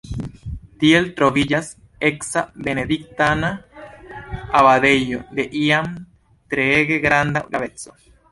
Tie troviĝas eksa benediktana abatejo de iam treege granda graveco.